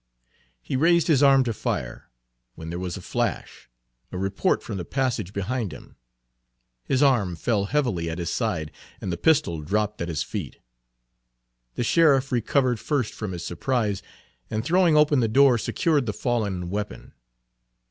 He raised his arm to fire, when there was a flash a report from the passage behind him. His arm fell heavily at his side, and the pistol dropped at his feet. The sheriff recovered first from his surprise, and throwing open the door secured the fallen weapon.